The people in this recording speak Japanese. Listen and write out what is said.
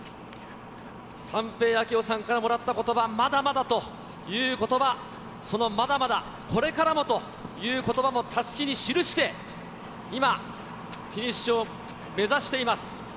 三瓶明雄さんからもらったことば、まだまだということば、そのまだまだ、これからもということばもたすきに記して、今、フィニッシュを目指しています。